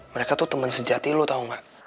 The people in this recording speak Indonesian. mereka tuh temen sejati lo tau gak